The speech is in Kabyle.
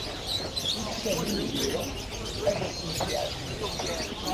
Ussan imezwura ad asent-yeɛǧeb lḥal.